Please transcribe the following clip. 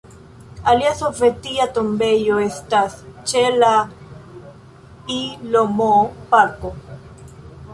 Alia sovetia tombejo estas ĉe la Ilm-parko.